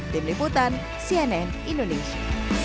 tim liputan cnn indonesia